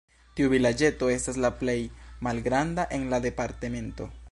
Tiu vilaĝeto estas la plej malgranda en la departemento.